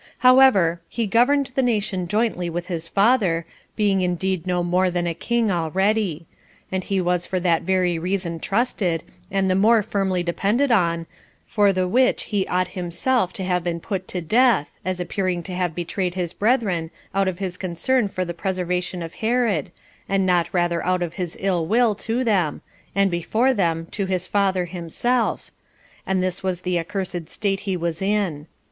However, he governed the nation jointly with his father, being indeed no other than a king already; and he was for that very reason trusted, and the more firmly depended on, for the which he ought himself to have been put to death, as appearing to have betrayed his brethren out of his concern for the preservation of Herod, and not rather out of his ill will to them, and, before them, to his father himself: and this was the accursed state he was in.